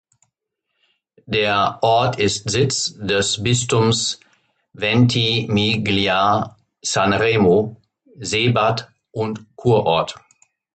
Der Ort ist Sitz des Bistums Ventimiglia-Sanremo, Seebad und Kurort.